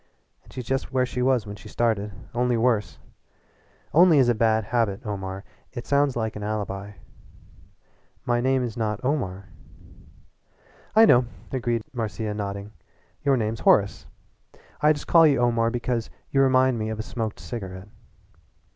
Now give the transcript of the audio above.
And she's just where she was when she started only worse. 'Only' is a bad habit, Omar it sounds like an alibi." "My name is not Omar." "I know," agreed Marcia, nodding "your name's Horace. I just call you Omar because you remind me of a smoked cigarette."